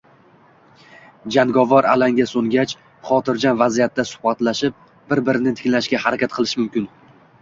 Jangovar alanga so‘ngach, xotirjam vaziyatda suhbatlashib, bir-birini tinglashga harakat qilish mumkin.